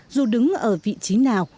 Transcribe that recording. dù đứng ở vị trí nào